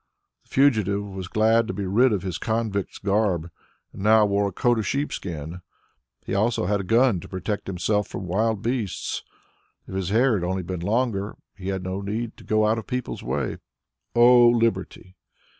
The fugitive was glad to get rid of his convict's garb and now wore a coat of sheepskin. He also had a gun to protect himself from wild beasts. If his hair had only been longer, he had no need to go out of people's way. O Liberty!